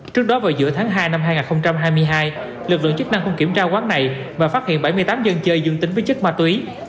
trước đó vào giữa tháng hai năm hai nghìn hai mươi hai lực lượng chức năng cũng kiểm tra quán này và phát hiện bảy mươi tám dân chơi dương tính với chất ma túy